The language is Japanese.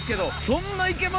そんないけます？